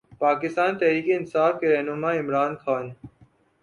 پاکستان تحریک انصاف کے رہنما عمران خان